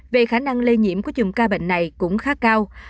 về khả năng lây nhiễm của chùm ca bệnh này cũng khá cao